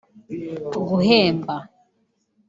guhemba